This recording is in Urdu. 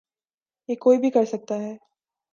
یہ کوئی بھی کر سکتا ہے۔